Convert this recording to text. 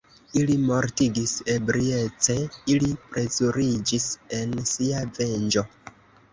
Ili mortigis ebriece, ili plezuriĝis en sia venĝo.